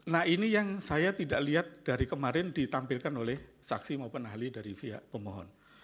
nah ini yang saya tidak lihat dari kemarin ditampilkan oleh saksi maupun ahli dari pihak pemohon